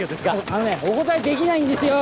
あのねお答えできないんですよ。